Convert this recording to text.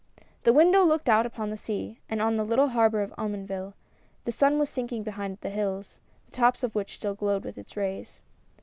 The window looked out upon the sea, and on the little harbor of Omonville ; the sun was sinking behind the hills, the tops of which still glowed with its rays.